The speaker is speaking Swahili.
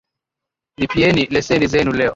Lipieni leseni zenu leo.